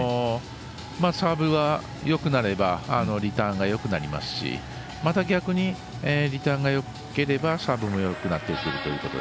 サーブがよくなればリターンがよくなりますしまた逆にリターンがよければサーブもよくなってくるということで